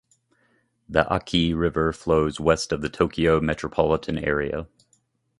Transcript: The Aki River flows west of Tokyo Metropolitan Area.